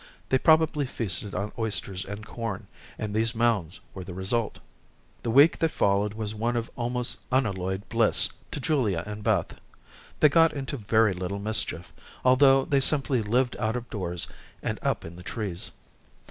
They probably feasted on oysters and corn, and these mounds were the result. The week that followed was one of almost unalloyed bliss to Julia and Beth. They got into very little mischief, although they simply lived out of doors, and up in the trees.